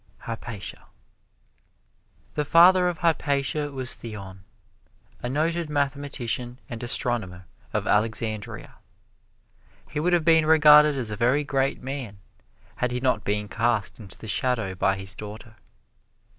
Hypatia HYPATIA The father of Hypatia was Theon, a noted mathematician and astronomer of Alexandria. He would have been regarded as a very great man had he not been cast into the shadow by his daughter.